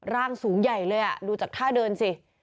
ร่างสูงใหญ่เลยดูจากท่าเดินสิ